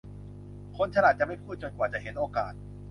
คนฉลาดจะไม่พูดจนกว่าจะเห็นโอกาส